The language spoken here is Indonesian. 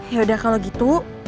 yaudah kalau gitu